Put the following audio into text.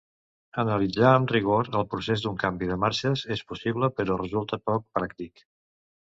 Analitzar amb rigor el procés d'un canvi de marxes és possible però resulta poc pràctic.